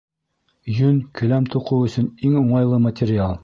Йөн — келәм туҡыу өсөн иң уңайлы материал.